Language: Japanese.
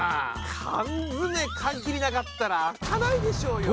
缶詰缶切りなかったら開かないでしょうよ！